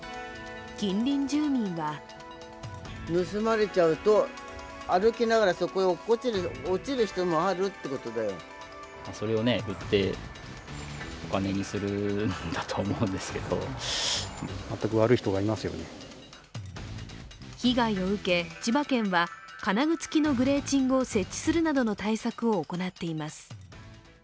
近隣住民は被害を受け、千葉県は金具付きのグレーチングを設置するなどの対策を行っています。